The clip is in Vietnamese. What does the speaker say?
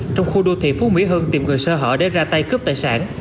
trong khu đô thị phú mỹ hưng tìm người sơ hở để ra tay cướp tài sản